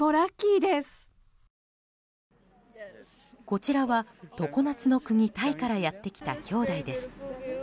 こちらは、常夏の国タイからやってきた姉弟です。